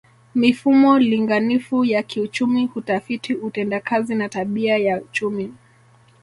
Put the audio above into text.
Mifumo linganifu ya kiuchumi hutafiti utendakazi na tabia ya chumi